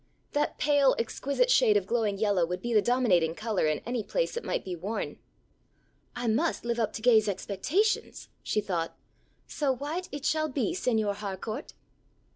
That pale exquisite shade of glowing yellow would be the dominating colour in any place it might be worn. "I must live up to Gay's expectations," she thought, "so white it shall be, Señor Harcourt!"